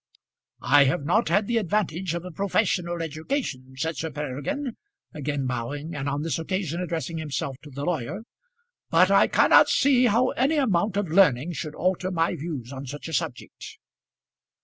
"I have not had the advantage of a professional education," said Sir Peregrine, again bowing, and on this occasion addressing himself to the lawyer; "but I cannot see how any amount of learning should alter my views on such a subject."